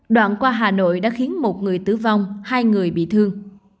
đoạn qua hà nội đã khiến một người tử vong hai người bị thương